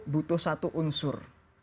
butuh satu unsur